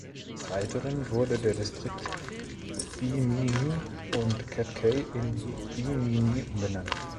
Des Weiteren wurde der Distrikt Bimini und Cat Cay in Bimini umbenannt.